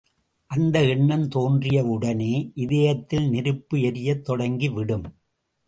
அந்த எண்ணம் தோன்றியவுடனே இதயத்திலே நெருப்பு எரியத் தொடங்கிவிடும்.